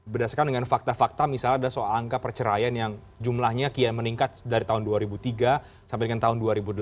berdasarkan dengan fakta fakta misalnya ada soal angka perceraian yang jumlahnya kian meningkat dari tahun dua ribu tiga sampai dengan tahun dua ribu delapan